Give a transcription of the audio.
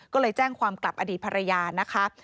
ก็เลยแจ้งความกลับอดีตภรรยานะคะ